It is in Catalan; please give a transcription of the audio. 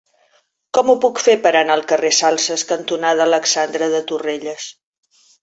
Com ho puc fer per anar al carrer Salses cantonada Alexandre de Torrelles?